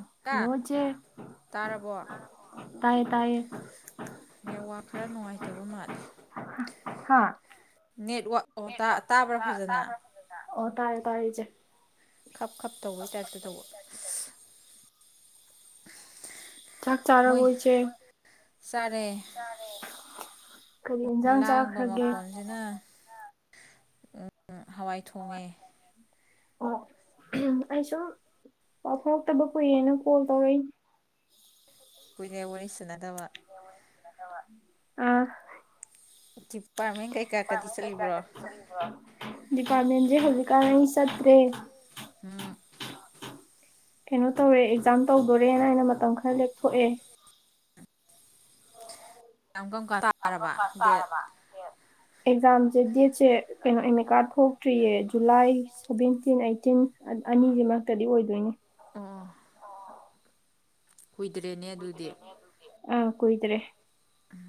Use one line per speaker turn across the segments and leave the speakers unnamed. ꯏꯇꯥ
ꯍꯜꯂꯣ ꯏꯆꯦ
ꯇꯥꯔꯕꯣ
ꯇꯥꯏꯌꯦ ꯇꯥꯏꯌꯦ
ꯅꯦꯠ ꯋꯥꯔꯛ ꯈꯔ ꯅꯨꯡꯉꯥꯏꯇꯕ ꯃꯥꯜꯂꯦ
ꯍꯥꯥ
ꯅꯦꯠꯋꯥꯛ ꯇꯥꯕ꯭ꯔꯥ ꯐꯖꯅ
ꯑꯣ ꯇꯥꯌꯦ ꯇꯥꯌꯦ ꯆꯦ
ꯈꯞ ꯈꯞ ꯇꯧꯕꯩ ꯇꯥꯏꯞꯇ ꯇꯧꯕ
ꯆꯥꯛ
ꯃꯣꯏ
ꯆꯥꯔꯕꯣ ꯏꯆꯦ
ꯆꯔꯦ
ꯀꯔꯤ ꯏꯟꯖꯥꯡ
ꯂꯥꯡꯕ
ꯆꯥꯈ꯭ꯔꯒꯦ
ꯃꯈꯣꯟ ꯑꯗꯨꯅ
ꯑꯣ
ꯍꯋꯥꯏ ꯊꯣꯡꯉꯦ
ꯑꯣ ꯎꯝ ꯑꯩ ꯁꯨꯝ ꯄꯥꯎ ꯐꯥꯎꯔꯛꯇꯕ ꯀꯨꯏꯌꯦꯦꯅ ꯀꯣꯜ ꯇꯧꯔꯛꯏ
ꯀꯣꯏꯂ ꯑꯣꯏꯅ ꯏꯁꯁꯨꯅꯠꯇꯕ
ꯑꯥ
ꯗꯤꯄꯥꯔꯠꯃꯦꯟ ꯀꯩꯀꯥꯀꯗꯤ ꯆꯠꯂꯤꯕ꯭ꯔꯣ
ꯄꯥꯦꯟꯦ ꯍꯣꯂꯤꯀ ꯁꯠꯇꯦ
ꯍꯥꯥ
ꯀꯩꯅꯣ ꯇꯧꯔꯦ ꯑꯦꯛꯖꯥꯝ ꯇꯧꯗꯣꯔꯦꯅ ꯑꯩꯅ ꯃꯇꯝ ꯈꯔ ꯂꯦꯞꯊꯣꯛꯑꯦ
ꯀ ꯀꯪ ꯇꯥꯔꯕ ꯗꯦꯠ
ꯑꯦꯛꯖꯥꯝꯁꯦ ꯗꯦꯠꯁꯦ ꯀꯩꯅꯣ ꯏꯀꯥ ꯊꯣꯛꯇ꯭ꯔꯤꯌꯦ ꯖꯨꯂꯥꯏ ꯁꯚꯦꯟꯇꯤꯟ ꯑꯩꯠꯇꯤꯟ ꯑꯅꯤꯁꯤ ꯃꯔꯛꯇꯗꯤ ꯑꯣꯏꯗꯣꯏꯅꯤ
ꯑꯥ ꯀꯨꯏꯗ꯭ꯔꯦꯅꯦ ꯑꯗꯨꯗꯤ
ꯑ ꯀꯣꯏꯗ꯭ꯔꯦ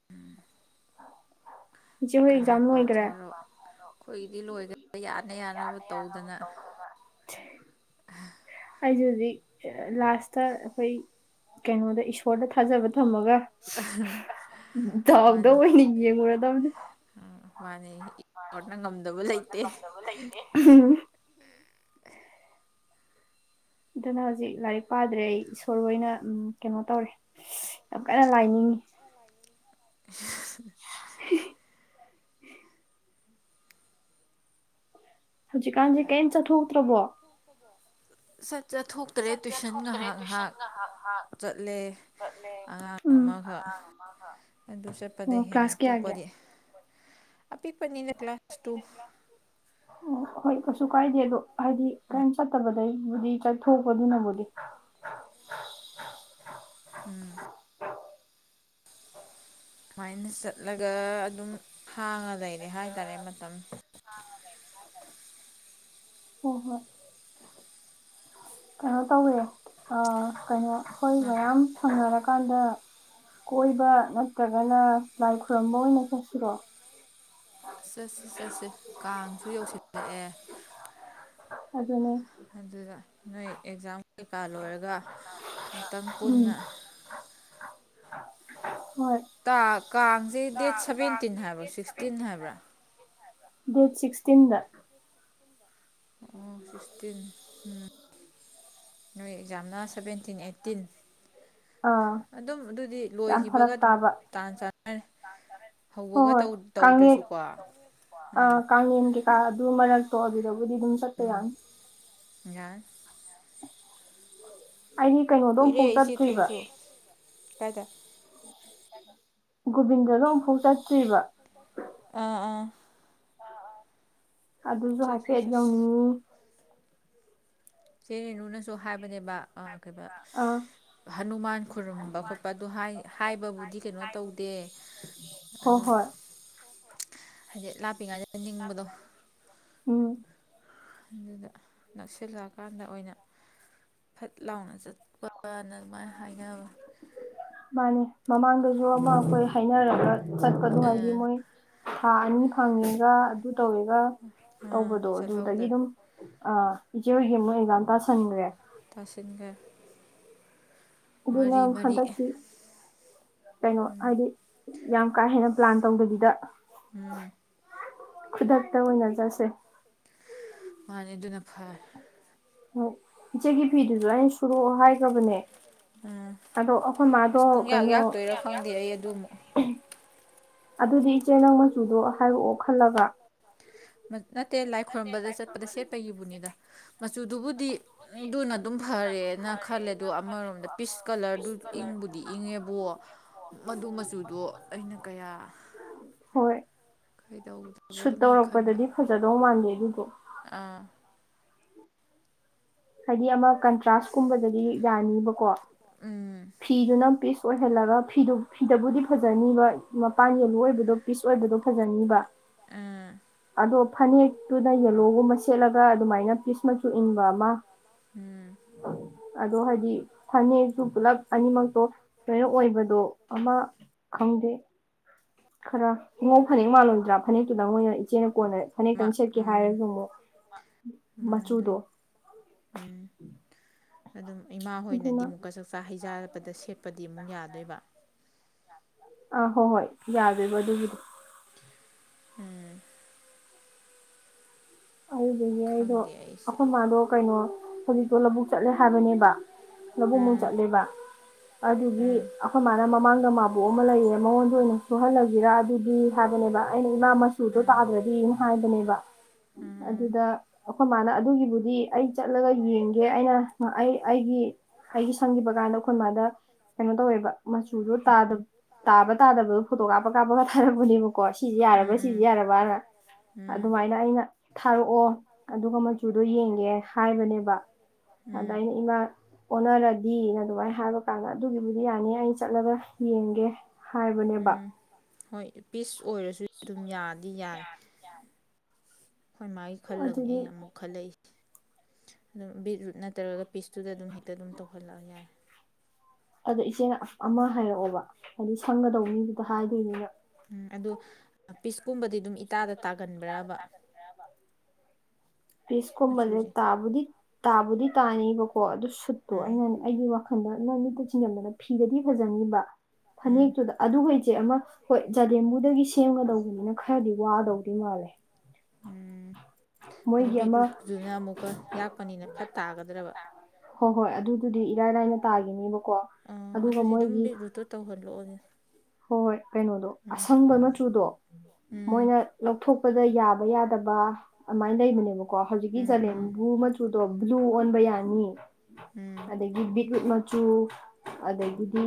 ꯎꯝ
ꯏꯆꯦ ꯍꯣꯏ
ꯀꯟꯅ
ꯑꯦꯛꯖꯥꯝ ꯂꯣꯏꯒ꯭ꯔꯦ
ꯄꯥꯊꯔꯣ ꯑꯩꯈꯣꯏꯗꯤ ꯂꯣꯏꯈꯗꯥ ꯌꯥꯅ ꯌꯥꯅꯕ ꯇꯧꯗꯅ
ꯊ ꯑꯩꯁꯦ ꯍꯧꯖꯤꯛ ꯂꯥꯁꯇ ꯑꯩꯈꯣꯏ ꯀꯩꯅꯣꯗ ꯐꯣꯔꯗ ꯊꯥꯖꯕ ꯊꯝꯃꯒ ꯗꯥꯎꯗ
ꯃꯥꯅꯤ
ꯑꯣꯏꯅ ꯌꯦꯡꯉꯨꯔꯗꯕꯅꯤ
ꯃꯥꯅꯤ ꯑꯣꯔꯅ ꯉꯝꯗꯕ ꯂꯩꯇꯦ
ꯎꯝ ꯑꯗꯨꯅ ꯍꯧꯖꯤꯛ ꯂꯥꯏꯔꯤꯛ ꯄꯥꯗ꯭ꯔꯦ ꯑꯩ ꯏꯁꯣꯔ ꯑꯣꯏꯅ ꯀꯩꯅꯣ ꯇꯧꯔꯦ ꯌꯥꯝ ꯀꯟꯅ ꯂꯥꯏꯅꯤꯡꯉꯤ
[unintelligible]
[unintelligible] ꯍꯧꯖꯤ ꯀꯥꯟꯦ ꯀꯩ ꯆꯠ ꯊꯣꯛꯎ ꯇ꯭ꯔꯣ
ꯁꯠ ꯆꯠꯊꯣꯛꯇꯔꯦ ꯇꯨꯏꯁꯟ ꯉꯥꯏꯍꯥꯛ ꯉꯥꯏꯍꯥꯛ ꯆꯠꯂꯦ ꯑꯉꯥꯡ
ꯎꯝ
ꯑꯃꯈꯛ ꯑꯗꯨ ꯆꯠꯄꯗ
ꯑꯣ
ꯍꯦꯟꯅ
ꯀ꯭ꯂꯥꯁ ꯀꯌꯥꯒꯤ
ꯇꯣꯛꯄꯗꯤ ꯑꯄꯤꯛꯄꯅꯤꯅ ꯀ꯭ꯂꯥꯁꯁꯨ ꯇꯨ
[unintelligible] ꯑꯣ ꯍꯣꯏ ꯀꯩꯁꯨ ꯀꯥꯏꯗꯦ ꯑꯗꯣ ꯍꯥꯏꯗꯤ ꯀꯔꯤꯝ ꯆꯠꯇꯕꯗꯩꯕꯨꯗꯤ ꯆꯠꯊꯣꯛꯄꯗꯨꯅꯕꯨꯗꯤ
ꯎꯝ ꯁꯨꯃꯥꯏꯅ ꯆꯠꯂꯒ ꯑꯗꯨꯝ ꯍꯥꯡꯉ ꯂꯩꯔꯦ ꯍꯥꯏꯇꯥꯔꯦ ꯃꯇꯝ
ꯍ ꯍꯣ ꯀꯩꯅꯣ ꯇꯧꯋꯦ ꯀꯩꯅꯣ ꯑꯩꯈꯣꯏ ꯃꯌꯥꯝ ꯁꯝꯅꯔꯀꯥꯟꯗ ꯀꯣꯏꯕ ꯅꯠꯇ꯭ꯔꯒꯅ ꯂꯥꯏ ꯈꯨꯔꯨꯝꯝꯕ ꯑꯣꯏꯅ ꯆꯠꯁꯤꯔꯣ
ꯆꯠꯁꯤ ꯆꯠꯁꯤ ꯀꯥꯡꯁꯨ ꯌꯧꯁꯤꯜꯂꯛꯑꯦ
ꯑꯗꯨꯅꯤ
ꯑꯗꯨꯗ ꯅꯣꯏ ꯑꯦꯛꯖꯥꯝ ꯀꯩꯀꯥ ꯂꯣꯏꯔꯒ ꯑꯃꯇꯪ
ꯎꯝ
ꯄꯨꯟꯅ
ꯍꯣꯏ
ꯇ ꯀꯥꯡꯁꯦ ꯗꯦꯠ ꯁꯕꯦꯟꯇꯤꯟ ꯍꯥꯏꯕ꯭ꯔꯣ ꯁꯤꯛꯁꯇꯤꯟ ꯍꯥꯏꯕ꯭ꯔꯥ
ꯗꯦꯠ ꯁꯤꯛꯁꯇꯤꯟꯗ
ꯑꯣ ꯁꯤꯛꯁꯇꯤꯟ ꯎ ꯅꯣꯏ ꯑꯦꯛꯖꯥꯝꯅ ꯁꯚꯦꯟꯇꯤꯟ ꯑꯩꯠꯇꯤꯟ
ꯑꯥ
ꯑꯗꯨꯝ ꯑꯗꯨꯗꯤ
ꯌꯥꯝ
ꯂꯣꯏꯈꯤꯕꯒ
ꯐꯔꯛ
ꯑꯗꯨꯝ
ꯇꯥꯕ
ꯇꯥꯟ ꯆꯥꯟꯅꯅꯤ
ꯍꯣꯏ
ꯍꯧꯕꯒ ꯇꯧꯗ꯭ꯔꯁꯨꯀꯣ
ꯑ
ꯎꯝ
ꯀꯥꯡꯂꯦꯟ ꯒꯤ ꯀꯥ ꯑꯗꯨ ꯃꯔꯛꯇꯣ ꯑꯗꯨꯗꯕꯨꯗꯤ ꯑꯗꯨꯝ ꯆꯠꯄ ꯌꯥꯅꯤ
ꯌꯥꯢ
ꯑꯩꯒꯤ ꯀꯩꯅꯣꯗꯣ ꯑꯃꯨꯐꯥꯎ
ꯀꯨꯏꯔꯦ ꯏꯆꯦ
ꯆꯠꯇ꯭ꯔꯤꯕ
ꯊꯣꯏꯁꯨ ꯀꯥꯏꯗ
ꯒꯣꯕꯤꯟꯗꯁꯨ ꯑꯃꯨꯛꯐꯥꯎ ꯆꯠꯇ꯭ꯔꯤꯕ
ꯑꯥ ꯑꯥ
ꯑꯗꯨꯁꯨ
ꯆꯠꯁꯤ
ꯍꯥꯏꯐꯦꯠ
ꯆꯠꯁꯤ
ꯌꯡꯉꯨ
ꯁꯤ ꯔꯦꯅꯨꯅꯁꯨ ꯍꯥꯏꯕꯅꯦꯕ ꯀꯩꯕ
ꯑꯥ
ꯍꯅꯨꯃꯥꯟ ꯈꯨꯔꯨꯝꯕ ꯈꯣꯠꯄ ꯑꯗꯨ ꯍꯥꯏ ꯍꯥꯏꯕꯕꯨꯗꯤ ꯀꯩꯅꯣ ꯇꯧꯗꯦ
ꯍꯣꯏ
ꯑꯗꯣ
[unintelligible]
ꯍꯥꯏꯗꯤ ꯂꯥꯞꯄꯤꯉꯥꯏꯗ ꯅꯤꯡꯕꯗꯣ
ꯎꯝ
ꯑꯗꯨꯗ ꯅꯛꯁꯤꯜꯂ ꯀꯥꯟꯗ ꯑꯣꯏꯅ ꯐꯠ ꯂꯥꯎꯅ ꯆꯠꯄꯅ ꯑꯗꯨꯃꯥꯏꯅ ꯍꯥꯏꯅꯕ
ꯃꯥꯅꯦ ꯃꯃꯥꯡꯗꯁꯨ ꯑꯃ ꯑꯈꯣꯏ ꯍꯥꯏꯅꯔ ꯆꯠꯄꯗꯨ ꯍꯥꯏꯗꯤ
ꯑꯥ
ꯃꯣꯏ ꯊꯥ ꯑꯅꯤ ꯐꯪꯉꯦꯒ ꯑꯗꯨ ꯇꯧꯋꯦꯒ
ꯑꯥ
ꯇꯧꯕꯗꯣ ꯑꯗꯨꯗꯒꯤ
ꯆꯠꯍꯧꯗ꯭ꯔꯦ
ꯑꯗꯨꯝ ꯏꯆꯦ ꯍꯣꯏꯒꯤ ꯃꯣꯏ ꯑꯦꯛꯖꯥꯝ ꯇꯥꯁꯟꯈ꯭ꯔꯦ
ꯇꯥꯁꯤꯟꯈ꯭ꯔꯦ
ꯑꯗꯨꯅ
ꯃꯔꯤ ꯃꯔꯤ
ꯍꯟꯗꯛꯇꯤ ꯀꯩꯅꯣ ꯍꯥꯏꯗꯤ ꯌꯥꯝ ꯀꯥ ꯍꯦꯟꯅ ꯄ꯭ꯂꯥꯟ ꯇꯧꯗꯕꯤꯗ
ꯎꯝ
ꯈꯨꯗꯥꯛ ꯇ ꯑꯣꯏꯅ ꯆꯠꯁꯦ
ꯃꯥꯅꯤ ꯑꯗꯨꯅ ꯐꯔꯦ
ꯎꯝ ꯏꯆꯦꯒꯤ ꯐꯤꯗꯨꯁꯨ ꯑꯩꯅ ꯁꯨꯔꯛꯑꯣ ꯍꯥꯏꯈ꯭ꯔꯕꯅꯦ ꯑꯗꯣ ꯑꯈꯣꯏ ꯃꯥꯗꯣ
ꯑꯁ ꯄꯨꯡꯌꯥꯛ
ꯀꯩꯅꯣ
ꯌꯥꯛꯇꯣꯏꯔꯥ ꯈꯪꯗꯦ ꯑꯩ ꯑꯗꯨ ꯑꯃꯨꯛ
ꯑꯗꯨꯗꯤ ꯏꯆꯦ ꯅꯪ ꯃꯆꯨꯗꯣ ꯍꯥꯏꯔꯛꯑꯣ ꯈꯜꯂꯒ
ꯅꯠꯇꯦ ꯂꯥꯏ ꯈꯣꯏꯔꯨꯝꯕꯗ ꯆꯠꯄꯗ ꯁꯦꯠꯄꯒꯤꯕꯨꯅꯤꯗ ꯃꯆꯨꯗꯨꯕꯨ ꯗꯤ ꯗꯨꯅ ꯑꯗꯨꯝ ꯐꯔꯦꯅ ꯈꯜꯂꯦ ꯑꯣ ꯑꯃꯔꯣꯝꯗ ꯄꯤꯁ ꯀꯂꯔꯗꯨ ꯏꯪꯕꯨꯗꯤ ꯏꯪꯉꯦꯕꯨ ꯃꯗꯨ ꯃꯆꯨꯗꯣ ꯑꯩꯅ ꯀꯌꯥ
ꯍꯣꯏ ꯁꯨꯠ
ꯀꯩꯗꯧꯗꯕꯗꯨꯝꯅ ꯈꯟꯕ
ꯇꯧꯔꯛꯄꯗꯗꯤ ꯐꯖꯗꯧ ꯃꯥꯟꯗꯦ ꯑꯗꯨꯗꯣ
ꯑꯥ
ꯍꯥꯏꯗꯤ ꯑꯃ ꯀꯟꯇ꯭ꯔꯥꯁ ꯀꯨꯝꯕꯗꯗꯤ ꯌꯥꯅꯤꯕꯀꯣ
ꯎꯝ
ꯐꯤꯗꯨꯅ ꯄꯤꯁ ꯑꯣꯏꯍꯜꯂꯒ ꯐꯤꯗꯨ ꯐꯤꯗꯕꯨꯗꯤ ꯐꯖꯅꯤꯕ ꯃꯄꯥꯟ ꯌꯦꯜꯂꯣ ꯑꯣꯏꯕꯗꯣ ꯄꯤꯁ ꯑꯣꯏꯕꯗꯣ ꯐꯖꯅꯤꯕ
ꯑꯥ
ꯑꯗꯣ ꯐꯅꯦꯛꯇꯨꯗ ꯌꯦꯂꯣꯒꯨꯝꯕ ꯁꯦꯠꯂꯒ ꯑꯗꯨꯃꯥꯏꯅ ꯄꯤꯁ ꯃꯆꯨ ꯏꯟꯕ ꯑꯃ
ꯎꯝ
ꯑꯗꯣ ꯍꯥꯏꯗꯤ ꯐꯅꯦꯛꯇꯣ ꯄꯨꯂꯞ ꯑꯅꯤꯃꯛꯇꯣ ꯂꯣꯏꯅꯣ ꯑꯣꯏꯕꯗꯣ ꯑꯃ ꯈꯪꯗꯦ ꯈꯔ ꯏꯉꯧ ꯐꯅꯦꯛ ꯃꯥꯜꯂꯣꯏꯗ꯭ꯔꯥ ꯐꯅꯦꯛꯇꯨꯗꯪ ꯃꯣꯏꯅ ꯏꯆꯦꯅ ꯀꯣꯟꯅꯔ ꯐꯅꯦꯛꯇꯪ ꯁꯦꯠꯀꯦ ꯍꯥꯏꯔꯁꯨ ꯑꯃꯨꯛ ꯃꯆꯨꯗꯣ
ꯃꯥꯟꯗꯣꯢꯅꯤ ꯎꯝ ꯑꯗꯨꯝ ꯏꯃꯥ ꯍꯣꯏꯅꯗꯤ
ꯑꯗꯨꯅ
ꯑꯃꯨꯛꯀ ꯆꯥꯛꯆꯥ ꯍꯩꯖꯥ ꯆꯠꯄꯗ ꯁꯦꯠꯄꯗꯤ ꯑꯃꯨꯛ ꯌꯥꯗꯣꯏꯕ
ꯑꯥ ꯍꯣꯏ ꯍꯣꯏ ꯌꯥꯗꯩꯕ ꯑꯗꯨꯒꯤꯗꯣ
ꯎꯝ
ꯑꯗꯨꯗꯒꯤ ꯑꯩꯗꯣ
ꯈꯪꯗꯦ ꯑꯩꯁꯦ
ꯑꯈꯣꯏ ꯃꯥꯗꯣ ꯀꯩꯅꯣ ꯍꯧꯖꯤꯛꯇꯣ ꯂꯧꯕꯨꯛ ꯆꯠꯂꯦ ꯍꯥꯏꯕꯅꯦꯕ ꯂꯧꯕꯨꯡ ꯃꯨꯛ
ꯎꯝ
ꯆꯠꯂꯦꯕ ꯑꯗꯨꯒꯤ
ꯎꯝ
ꯑꯈꯣꯏ ꯃꯥꯅ ꯃꯃꯥꯡꯗ ꯃꯕꯣꯛ ꯑꯃ ꯂꯩꯌꯦ ꯃꯉꯣꯟꯗ ꯑꯣꯏꯅ ꯁꯨꯍꯜꯂꯁꯤꯔ ꯑꯗꯨꯗꯤ ꯍꯥꯏꯕꯅꯦꯕ ꯑꯩꯅ ꯏꯃꯥ ꯃꯆꯨꯗꯣ
ꯎꯝ
ꯇꯥꯗ꯭ꯔꯗꯤꯅ ꯍꯥꯏꯕꯅꯦꯕ
ꯎꯝ
ꯑꯗꯨꯗ ꯑꯩꯈꯣꯏ ꯃꯥꯅ ꯑꯗꯨꯒꯤꯕꯨꯗꯤ ꯑꯩ ꯆꯠꯂꯒ ꯌꯦꯡꯒꯦ ꯑꯩꯅ ꯑꯩ ꯑꯩꯒꯤ ꯍꯥꯏꯗꯤ ꯁꯪꯈꯤꯕ ꯀꯥꯟꯗ ꯑꯩꯈꯣꯏ ꯃꯥꯗ ꯀꯩꯅꯣ ꯇꯧꯋꯦꯕ ꯃꯆꯨꯗꯣ ꯇꯥꯕ ꯇꯥꯗꯕꯗꯣ ꯐꯣꯇꯣ ꯀꯥꯞꯄ ꯀꯥꯞꯄꯒ ꯊꯥꯔꯛꯄꯅꯦꯕꯀꯣ ꯀꯣ ꯁꯤꯁꯦ ꯌꯥꯔꯕ꯭ꯔꯥ ꯁꯤꯁꯦ
ꯎꯝ
ꯌꯥꯔꯕꯅ
ꯎꯝ
ꯑꯗꯨꯃꯥꯏꯅ ꯑꯩꯅ ꯊꯥꯔꯛꯑꯣ ꯑꯗꯨꯒ ꯃꯆꯨꯗꯣ ꯌꯦꯡꯒꯦ ꯍꯥꯏꯕꯅꯦꯕ ꯑꯗ
ꯎꯝ
ꯑꯩꯅ ꯏꯃꯥ ꯑꯣꯅꯔꯗꯤꯅ ꯑꯗꯨꯃꯥꯏꯅ ꯍꯥꯏꯕ ꯀꯥꯟꯗ ꯑꯗꯨꯒꯤꯕꯨꯗꯤ ꯌꯥꯅꯤ ꯑꯩꯅ ꯆꯠꯂꯒ ꯌꯦꯡꯒꯦ ꯍꯥꯏꯕꯅꯦꯕ
ꯎꯝ ꯍꯣꯏ ꯄꯤꯁ ꯑꯣꯏꯔꯁꯨ ꯑꯗꯨꯝ ꯌꯥꯗꯤ ꯌꯥꯏ ꯍꯣꯏ ꯃꯥꯏ ꯈꯜꯂꯒꯅꯦ
ꯑꯗꯨꯗꯤ
ꯑꯩꯅ ꯑꯃꯨꯛ ꯈꯜꯂꯛꯏꯁꯦ ꯑꯗꯨꯝ ꯕꯤꯠꯔꯨꯠ ꯅꯠꯇ꯭ꯔꯒ ꯄꯤꯁꯇꯨꯗ ꯑꯗꯨꯝ ꯍꯦꯛꯇ ꯑꯗꯨꯝ ꯇꯧꯍꯜꯂꯛ ꯌꯥꯔꯦ
ꯑꯗꯣ ꯏꯆꯦꯅ ꯑꯃ ꯍꯥꯏꯔꯛꯑꯣꯕ ꯍꯥꯏꯗꯤ ꯁꯪꯒꯗꯧꯕ ꯃꯤꯗꯨꯗ ꯍꯥꯏꯗꯣꯏꯅꯤꯅ
ꯎꯝ ꯑꯗꯨ ꯄꯤꯁꯀꯨꯝꯕꯗꯤ ꯑꯗꯨꯝ ꯏꯇꯥꯗ ꯇꯥꯒꯟꯕ꯭ꯔꯕ
ꯄꯤꯁꯀꯨꯝꯕꯁꯦ
ꯃꯆꯨꯁꯦ
ꯇꯥꯕꯨꯗꯤ ꯇꯥꯕꯨꯗꯤ ꯇꯥꯅꯦꯕꯀꯣ ꯑꯗꯨ ꯁꯨꯠꯇꯣ
ꯎꯝ
ꯑꯩꯅꯅꯦ ꯑꯩꯒꯤ ꯋꯥꯈꯜꯗ ꯅꯣꯏ ꯃꯤꯠꯇ ꯆꯤꯟꯖꯤꯟꯕꯗ ꯐꯤꯗꯗꯤ ꯐꯖꯅꯤꯕ
ꯎꯝ
ꯐꯅꯦꯛꯇꯨꯗ ꯑꯗꯨꯒ ꯏꯆꯦ ꯑꯃ ꯍꯣꯏ ꯖꯗꯦꯝꯕꯨꯗꯒꯤ ꯁꯦꯝꯒꯗꯧꯕꯅꯤꯅ ꯈꯔꯗꯤ ꯋꯥꯗꯧꯗꯤ ꯃꯥꯜꯂꯦ
ꯎꯝ ꯑꯗꯨ
ꯃꯣꯏꯒꯤ ꯑꯃ
ꯕꯤꯠꯔꯨꯠꯗꯨꯨꯅ ꯑꯃꯨꯛꯀ ꯌꯥꯛꯄꯅꯤꯅ ꯐꯠ ꯇꯥꯒꯗ꯭ꯔꯕ
ꯍꯣꯏ ꯍꯣꯏ ꯑꯗꯨꯗꯨꯗꯤ ꯏꯔꯥꯏ ꯂꯥꯏꯅ ꯇꯥꯈꯤꯅꯤꯕꯀꯣ
ꯑꯥ ꯑꯗꯨꯗꯤ ꯑꯗꯨꯝ ꯕꯤꯠ ꯔꯨꯠꯇꯣ ꯇꯧꯍꯜꯂꯛꯑꯣꯅꯦ
ꯍꯣꯏ ꯍꯣꯏ ꯀꯩꯅꯣꯗꯣ
ꯎꯝ
ꯑꯁꯪꯕ ꯃꯆꯨꯗꯣ
ꯎꯝ
ꯃꯣꯏꯅ ꯂꯧꯊꯣꯛꯄꯗ ꯌꯥꯕ ꯌꯥꯗꯕ ꯑꯃꯥꯏꯅ ꯂꯩꯕꯅꯦꯕ ꯀꯣ ꯍꯧꯖꯤꯛꯀꯤ
ꯎꯝ
ꯖꯂꯦꯝꯕꯨ ꯃꯆꯨꯗꯣ ꯕ꯭ꯂꯨ ꯑꯣꯟꯕ ꯌꯥꯅꯤ
ꯎꯝ
ꯑꯗꯒꯤ ꯕꯤꯠꯔꯨꯠ ꯃꯆꯨ ꯑꯗꯒꯤꯗꯤ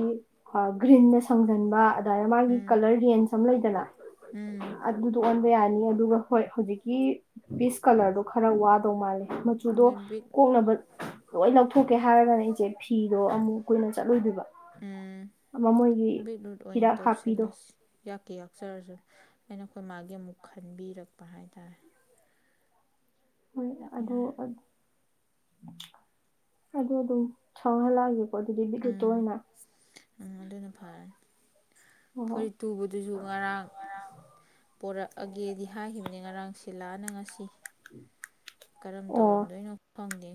ꯒ꯭ꯔꯤꯟꯅ ꯁꯪꯖꯟꯕ
ꯎꯝ
ꯃꯥꯒꯤ
ꯎꯝ
ꯀꯂꯔ ꯔꯦꯟꯖ ꯑꯃ ꯂꯩꯗꯅ
ꯎꯝ
ꯑꯗꯨꯗꯣ ꯑꯣꯟꯕ ꯌꯥꯅꯤ ꯑꯗꯨꯒ ꯍꯣꯏ ꯍꯧꯖꯤꯛꯀꯤ ꯄꯤꯁ ꯀꯂꯔꯗꯣ ꯈꯔ ꯋꯥꯗꯧ ꯃꯥꯜꯂꯦ
ꯑꯗꯨ
ꯁꯨꯗꯣ
ꯕꯤꯠ
ꯀꯣꯛꯅꯕ ꯂꯣꯏ ꯂꯧꯊꯣꯛꯀꯦ ꯍꯥꯏꯔꯒꯅ ꯏꯆꯦ ꯐꯤꯗꯣ ꯑꯃꯨꯛ ꯀꯨꯏꯅ ꯆꯠꯂꯣꯏꯗꯣꯏꯕ ꯑꯃ ꯃꯣꯏꯒꯤ
ꯂꯣꯏ
ꯍꯤꯗꯥꯛ ꯍꯥꯞꯄꯤꯗꯣ
ꯇꯧꯁꯤꯜꯂꯁꯤ ꯌꯥꯛꯀꯦ ꯌꯥꯛꯆꯔꯁꯨ ꯑꯩꯅ ꯑꯩꯈꯣꯏ ꯃꯥꯒꯤ ꯑꯃꯨꯛ ꯈꯟꯕꯤꯔꯛꯄ ꯍꯥꯏꯇꯥꯔꯦ
ꯍꯣꯏ ꯑꯗꯣ
ꯌꯥꯔꯦ
ꯑꯗꯣ ꯗꯣ ꯁꯧꯍꯜꯂꯒꯦ ꯑꯗꯨꯗꯤ ꯕꯤꯠꯔꯨꯠꯇꯣ
ꯎꯝ
ꯑꯣꯏꯅ
ꯑꯗꯨꯅ ꯐꯔꯅꯤ
ꯍꯣꯏ ꯍꯣꯏ
ꯐꯨꯔꯤꯠ ꯇꯨꯕꯗꯨꯁꯨ ꯉꯔꯥꯡ ꯄꯣꯔꯛꯑꯒꯦꯗꯤ ꯍꯥꯏꯈꯤꯕꯅꯤ ꯉꯔꯥꯡ ꯁꯤꯂꯥꯅ ꯉꯁꯤ ꯀꯔꯝ
ꯑꯣ
ꯇꯧꯔꯝꯗꯣꯏꯅꯣ ꯈꯪꯗꯦ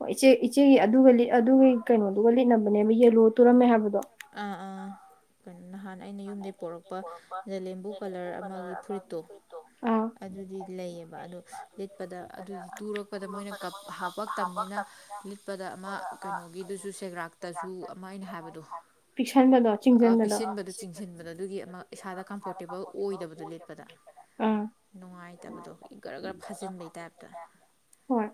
ꯑꯣ ꯏꯆꯦ ꯏꯆꯦꯒꯤ ꯑꯗꯨꯒ ꯂꯤ ꯑꯗꯨꯒꯤ ꯀꯩꯅꯣꯗꯨꯒ ꯂꯤꯠꯅꯕꯅꯦꯕ ꯌꯦꯂꯣ ꯇꯨꯔꯝꯃꯦ ꯍꯥꯏꯕꯗꯣ
ꯑꯥ ꯑꯥ ꯀꯩꯅꯣ ꯅꯍꯥꯟ ꯑꯩꯅ ꯌꯨꯝꯗꯩ ꯄꯣꯔꯛꯄ ꯖꯂꯦꯝꯕꯨ ꯀꯂꯔ ꯑꯃꯒꯤ ꯐꯨꯔꯤꯠꯇꯣ
ꯑꯥ
ꯑꯗꯨꯗꯤ ꯂꯩꯌꯦꯕ ꯑꯗꯨ ꯂꯤꯠꯄꯗ ꯑꯗꯨ ꯇꯨꯔꯛꯄꯗ ꯃꯣꯏꯅ ꯀꯞ ꯍꯥꯞꯄꯛꯇꯝꯅꯤꯅ ꯂꯤꯠꯄꯗ ꯑꯃ ꯀꯩꯅꯣꯒꯤꯗꯨꯁꯨ ꯁꯦꯒ꯭ꯔꯥꯛꯇꯁꯨ ꯑꯃ ꯑꯩꯅ ꯍꯥꯏꯕꯗꯣ
ꯆꯤꯛꯁꯟꯕꯗꯣ ꯆꯤꯡꯁꯤꯟꯕꯗꯣ
ꯆꯤꯟꯕꯗꯨ ꯆꯤꯡꯁꯤꯟꯕꯗ ꯑꯗꯨꯒꯤ ꯑꯃ
ꯏꯁꯥꯗ ꯀꯝꯐꯣꯔꯇꯦꯕꯜ ꯑꯣꯏꯗꯕꯗꯣ ꯂꯤꯠꯄꯗ ꯑꯝ
ꯅꯨꯡꯉꯥꯏꯇꯕꯗꯣ ꯒꯔꯥ ꯒꯔꯥ ꯐꯥꯖꯤꯟꯕꯩ ꯇꯥꯏꯞꯇ
ꯍꯣꯏ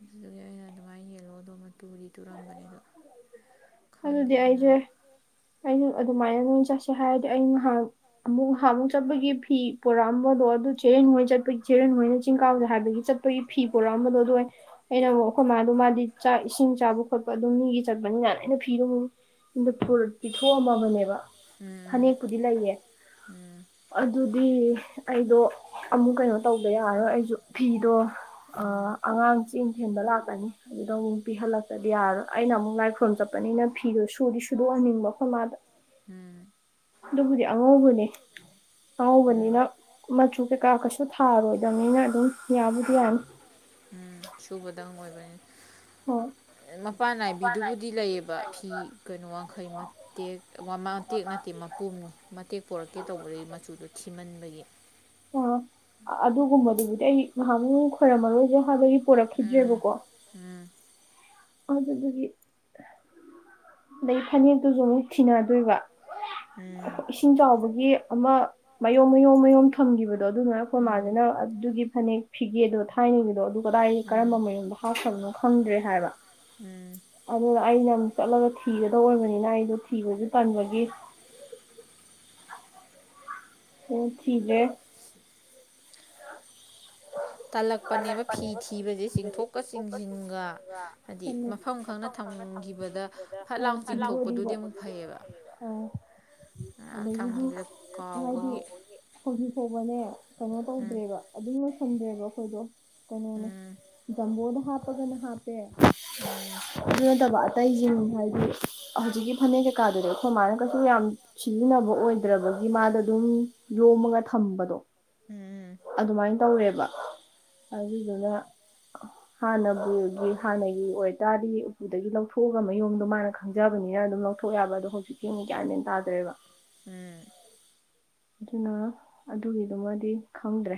ꯑꯗꯨꯗꯨꯒꯤ ꯑꯩꯅ ꯗꯨꯃꯥꯏꯅ ꯌꯦꯜꯂꯣꯗꯣ ꯃ ꯇꯨꯔꯤ ꯈꯪꯗꯦ
ꯑꯗꯨꯗꯤ
ꯑꯗꯨꯅ
ꯑꯩꯖ‌ꯦ
ꯑꯃꯨꯛ
ꯑꯩꯁꯨ ꯑꯗꯨꯃꯥꯏꯅ ꯑꯗꯨꯝ ꯆꯠꯁꯦ ꯍꯥꯏꯔꯗꯤ ꯑꯩ ꯉꯥꯏꯍꯥꯛ ꯑꯃꯨꯛ ꯊꯥ ꯑꯃꯨꯛ ꯆꯠꯄꯒꯤ ꯐꯤ ꯄꯨꯔꯛꯑꯝꯕꯗꯣ ꯑꯗꯨ ꯆꯦꯔꯦꯟ ꯍꯣꯏꯅ ꯆꯠꯄꯒꯤ ꯆꯦꯔꯦꯟ ꯍꯣꯏꯅ ꯆꯤꯡ ꯀꯥꯎꯁꯦ ꯍꯥꯏꯕꯒꯤ ꯆꯠꯄ ꯑꯗꯨꯒꯤ ꯐꯤ ꯄꯨꯔꯛꯑꯝꯕꯗꯣ ꯑꯗꯨꯏ ꯑꯩꯅ ꯑꯃꯨꯛ ꯑꯩꯈꯣꯏ ꯃꯥꯗꯣ ꯃꯥꯗꯤ ꯆꯥꯛ ꯏꯁꯤꯡ ꯆꯥꯕ ꯈꯣꯠꯄ ꯑꯗꯨꯝꯃꯤꯒꯤ ꯆꯠꯄꯅꯤꯅ ꯑꯩꯅ ꯐꯤꯗꯨ ꯃꯨꯛ ꯕꯨꯠ ꯄꯨꯔꯥ ꯄꯤꯊꯣꯛ ꯑꯝꯃꯕꯅꯦꯕ
ꯎꯝ
ꯐꯅꯦꯛꯄꯨ ꯗꯤ ꯂꯩꯌꯦ
ꯎꯝ
ꯑꯗꯨꯗꯤ ꯑꯩꯗꯣ ꯑꯃꯨꯛ ꯀꯩꯅꯣ ꯇꯧꯗ ꯌꯥꯔꯣꯏ ꯑꯩꯖꯨ ꯐꯤꯗꯣ ꯑ
ꯎꯝ
ꯑꯉꯥꯡ ꯆꯦꯡ ꯊꯦꯟꯕ ꯂꯥꯛꯀꯅꯤ ꯑꯗꯨꯗ ꯑꯃꯨꯛ ꯄꯤꯍꯜꯂꯛ ꯑꯗꯨꯗꯤ ꯌꯥꯔꯣꯏ ꯑꯩꯅ ꯑꯃꯨꯛ ꯂꯥꯏꯈ꯭ꯔꯣꯝ ꯆꯠꯄꯅꯤꯅ ꯐꯤꯗꯣ ꯁꯨꯗꯤ ꯁꯨꯗꯣꯛꯍꯟꯅꯤꯡꯕ ꯑꯩꯈꯣꯏ ꯃꯥꯗ
ꯎꯝ
ꯑꯗꯨꯕꯨꯗꯤ ꯑꯉꯧꯕꯅꯦ
ꯎꯝ
ꯑꯉꯥꯎꯕꯅꯤꯅ ꯃꯆꯨ ꯀꯩꯀꯥ ꯀꯩꯁꯨ ꯊꯥꯔꯣꯏꯗꯕꯅꯤꯅ ꯑꯗꯨꯝ ꯌꯥꯕꯨꯗꯤ ꯌꯥꯅꯤ
ꯎꯝ ꯁꯨꯕꯗꯪ ꯑꯣꯏꯕꯅꯤ
ꯍꯣꯏ
ꯃꯄ ꯅꯥꯏꯕꯤ ꯗꯨꯕꯨꯗꯤ ꯂꯩꯌꯦꯕ ꯐꯤ ꯀꯩꯅꯣ ꯋꯥꯡꯈꯩ ꯃꯇꯦꯛ ꯃꯇꯦꯛ ꯅꯠꯇꯦ ꯃꯄꯨꯝꯅꯤ ꯃꯇꯦꯛ ꯄꯣꯔꯛꯀꯦ ꯇꯧꯕꯗꯩ ꯃꯆꯨꯗꯨ ꯊꯤꯃꯟꯕꯒꯤ
ꯑ ꯑꯗꯨꯒꯨꯝꯕ ꯗꯨꯕꯨꯗꯤ ꯑꯩ ꯉꯍꯥꯛ ꯃꯨꯛ ꯈꯣꯏꯔꯝꯃꯔꯣꯏꯒ‌ꯦ ꯍꯥꯏꯕꯒꯤ
ꯎꯝ
ꯄꯣꯔꯛꯈꯤꯗ꯭ꯔꯦꯕꯀꯣ
ꯎꯝ
ꯑꯗꯨꯗꯨꯒꯤ ꯑꯗꯩ ꯐꯅꯦꯛꯇꯨꯖꯨ ꯑꯃꯨꯛ ꯊꯤꯅꯗꯣꯏꯕ
ꯎꯝ
ꯏꯁꯤꯡ ꯆꯥꯎꯕꯒꯤ ꯑꯃ ꯃꯌ‌ꯣꯝ ꯃꯌꯣꯝ ꯃꯌꯣꯝ ꯊꯝꯈꯤꯕꯗꯣ ꯑꯗꯨꯅ ꯀꯣꯏꯃꯥꯁꯤꯅ ꯑꯗꯨꯒꯤ ꯐꯅꯦꯛ ꯐꯤꯒꯦꯗꯣ ꯊꯥꯏꯅꯒꯤꯗꯣ ꯑꯗꯨ ꯀꯗꯥꯏ
ꯎꯝ ꯎꯝ
ꯀꯔꯝꯕ ꯃꯌꯨꯝꯗ ꯍꯥꯞꯈꯕꯅꯣ ꯈꯪꯗ꯭ꯔꯦ ꯍꯥꯏꯕ
ꯎꯝ
ꯑꯗꯨꯅ ꯑꯩꯅ ꯑꯃꯨꯛ ꯆꯠꯂꯒ ꯊꯤꯒꯗ ꯑꯣꯏꯕꯅꯤꯅ ꯑꯩꯗꯣ ꯊꯤꯕꯁꯨ ꯇꯟꯕꯒꯤ ꯑꯝ ꯊꯤꯗꯔ‌ꯦ
ꯇꯜꯂꯛꯄꯅꯦꯕ ꯐꯤ ꯊꯤꯕꯁꯦ ꯆꯤꯡꯊꯣꯛꯀ ꯆꯤꯡꯁꯤꯟꯒ ꯍꯥꯏꯗꯤ
ꯆꯨꯝꯃꯦ
ꯃꯐꯝ ꯈꯪꯅ ꯊꯝꯈꯤꯕꯗ ꯐꯠ ꯂꯥꯎ ꯆꯤꯡꯊꯣꯛꯄꯗꯨꯗꯤ ꯑꯃꯨꯛ ꯐꯩꯌꯦꯕ
ꯑꯥꯎ
ꯃꯌꯥꯝ
ꯑꯗꯒꯤꯗꯤ
ꯊꯝꯈꯤꯕꯗ
ꯍꯥꯏꯗꯤ
ꯀꯥꯎꯕꯒꯤ
ꯍꯧꯖꯤꯛ ꯐꯥꯎꯕꯅꯦ ꯀꯩꯅꯣ
ꯎꯝ
ꯇꯧꯗ꯭ꯔꯦꯕ ꯑꯗꯨꯝ ꯂꯣꯏꯁꯟꯗꯦꯕ ꯑꯩꯈꯣꯏꯗꯣ ꯀꯩꯅꯣꯅꯦ
ꯎꯝ
ꯖꯝꯕꯣꯗ ꯍꯥꯞꯄꯒꯅ ꯍꯥꯞꯄꯦ
ꯎꯝ
ꯑꯗꯨ ꯅꯠꯇꯕ ꯑꯇꯩꯖꯤꯡ ꯍꯥꯏꯗꯤ ꯍꯧꯖꯤꯛꯀꯤ ꯐꯅꯦꯛ ꯀꯩꯀꯥꯗꯨꯅꯦ ꯑꯩꯈꯣꯏ ꯃꯥꯅ ꯀꯩꯁꯨ ꯌꯥꯝ ꯁꯤꯖꯤꯟꯅꯕ ꯑꯣꯏꯗ꯭ꯔꯕꯒꯤ ꯃꯥꯗ ꯑꯗꯨꯝ ꯌꯣꯝꯃꯒ ꯊꯝꯕꯗꯣ
ꯎꯝ
ꯑꯗꯨꯃꯥꯏꯅ ꯇꯧꫪ‌ꯦꯕ ꯑꯗꯨꯗꯨꯅ ꯍꯥꯟꯅꯕꯨꯒꯤ ꯍꯥꯟꯅꯒꯤ ꯑꯣꯏꯇꯥꯔꯗꯤ ꯎꯄꯨꯗꯒꯤ ꯂꯧꯊꯣꯛꯑꯒ ꯃꯌ‌ꯣꯝꯗꯣ ꯃꯥꯅ ꯈꯪꯖꯕꯅꯤꯅ ꯑꯗꯨꯝ ꯂꯧꯊꯣꯛ ꯌꯥꯕ ꯑꯗꯣ ꯍꯧꯖꯤꯛꯀꯤ ꯑꯃꯨꯛ ꯒꯌꯥꯟ ꯃ‌ꯦꯟ ꯇꯥꯗ꯭ꯔꯦꯕ
ꯎꯝ
ꯑꯗꯨꯅ ꯑꯗꯨꯒꯤꯗꯨꯃꯗꯤ ꯈꯪꯗ꯭ꯔꯦ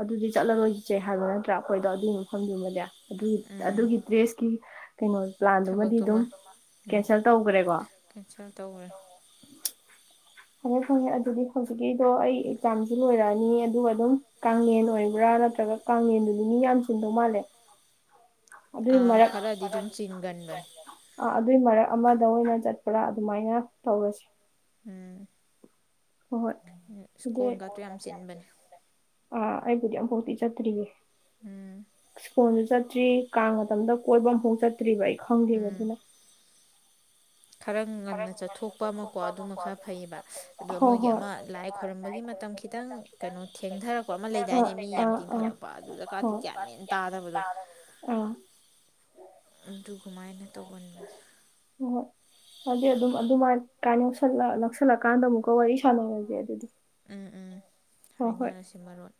ꯑꯗꯨꯗꯤ ꯆꯠꯂꯔꯣꯏꯁꯦ ꯍꯥꯏꯕ ꯅꯠꯇ꯭ꯔꯥ ꯑꯩꯈꯣꯏꯗꯣ ꯑꯗꯨꯒꯤ ꯃꯐꯝꯗꯨꯃꯗꯤ ꯑꯗꯨ
ꯎꯝ
ꯑꯗꯨꯒꯤ ꯗ꯭ꯔꯦꯁ ꯀꯤ ꯀꯩꯅꯣ ꯄ꯭ꯂꯥꯟꯗꯨꯃꯗꯤ ꯑꯗꯨꯝ
ꯊꯕꯛꯇꯨꯃ ꯎꯝ
ꯀꯦꯟꯁꯦꯜ ꯇꯧꯒ꯭ꯔ‌ꯦꯀꯣ
ꯀꯦꯟꯁꯦꯜ ꯇꯧꯔꯦ
ꯐꯪꯉꯦ ꯐꯪꯉꯦ ꯑꯗꯨꯗꯤ ꯍꯧꯖꯤꯛꯀꯤꯗꯣ ꯑꯩ ꯑꯦꯛꯖꯥꯝꯖꯨ ꯂꯣꯏꯔꯛꯑꯅꯤ ꯑꯗꯨꯒ ꯑꯗꯨꯝ ꯀꯥꯡꯉꯦꯟ ꯑꯣꯏꯕ꯭ꯔꯥ ꯅꯠꯇ꯭ꯔꯒ ꯀꯥꯡꯉꯦꯟꯗꯨꯗꯤ ꯃꯤ ꯌꯥꯝ ꯆꯟꯗꯧ ꯃꯥꯜꯂꯦ ꯑꯗꯨꯏ
ꯑ ꯈꯔꯗꯤ ꯑꯗꯨꯝ ꯆꯤꯟꯒꯟꯕꯅꯤ
ꯑ ꯑꯗꯨꯏ ꯃꯔꯛ ꯑꯃꯗ ꯑꯣꯏꯅ ꯆꯠꯄ꯭ꯔꯥ ꯑꯗꯨꯃꯥꯏꯅ ꯇꯧꯔꯁꯤ
ꯎꯝ
ꯍꯣꯏ ꯍꯣꯏ
ꯁ꯭ꯀꯣꯟꯒꯇꯣ ꯌꯥꯝ ꯆꯤꯟꯕꯅꯦ
ꯑꯥ ꯑꯩꯕꯨꯗꯤ ꯑꯃꯝꯐꯥꯎꯗꯤꯤ ꯆꯠꯇ꯭ꯔꯤꯌꯦ
ꯎꯝ
ꯁ꯭ꯀꯨꯜꯗꯨ ꯆꯠꯇ꯭ꯔꯤ ꯀꯥꯡ ꯃꯇꯝꯗ ꯀꯣꯏꯕ ꯑꯃꯐꯥꯎ ꯆꯠꯇ꯭ꯔꯤꯕ ꯑꯩ ꯈꯪꯗꯦꯈꯤꯕ
ꯎꯝ
ꯑꯗꯨꯅ
ꯈꯔ ꯉꯟꯅ ꯆꯠꯊꯣꯛꯄ ꯑꯃꯀꯣ ꯑꯗꯨꯃ ꯈꯔ ꯐꯩꯌꯦꯕ ꯑꯗꯣ
ꯍꯣꯏ
ꯃꯣꯏꯒꯤ
ꯍꯣꯏ
ꯑꯃ ꯂꯥꯏ ꯈꯣꯏꯔꯝꯕꯒꯤ ꯃꯇꯝ ꯈꯤꯇꯪ ꯀꯩꯅꯣ ꯊꯦꯡꯊꯔꯛꯄ ꯑꯃ ꯂꯩꯗꯥꯏꯅꯦ ꯃꯤ ꯌꯥꯝ ꯇꯤꯡꯈꯠꯂꯛꯄ ꯑꯗꯨꯗꯀꯥ ꯒ꯭ꯌꯥꯟꯃꯦꯟ ꯇꯥꯗꯕꯗꯣ
ꯑ
ꯑꯗꯨꯒꯃꯥꯏꯅ ꯇꯧꯒꯟꯕꯅꯦ
ꯍꯥꯏꯗꯤ ꯑꯗꯨꯝ ꯑꯗꯨꯃꯥꯏ ꯀꯥꯏ ꯌꯂ ꯅ ꯂꯧꯁꯜꯂꯀꯥꯟꯗ ꯑꯃꯨꯛꯀ ꯋꯥꯔꯤ ꯁꯥꯟꯅꯔꯁꯦ ꯑꯗꯨꯗꯤ
ꯎꯝ ꯎꯝ
ꯍꯣꯏ ꯍꯣꯏ
ꯍꯥꯏꯅꯔꯁꯤ ꯃꯔꯣꯟ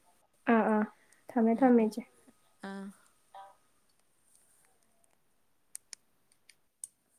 ꯑꯥ ꯑꯥ ꯊꯝꯃꯦ ꯊꯝꯃꯦ ꯏꯆꯦ
ꯑꯥ